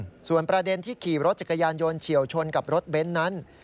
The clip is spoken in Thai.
ส่วนประเด็นที่ขี่รถจักรยานยนต์เฉียวชนกับรถเบนท์นั้น